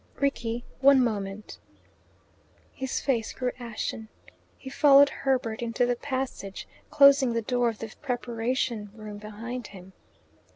"Rickie one moment " His face grew ashen. He followed Herbert into the passage, closing the door of the preparation room behind him.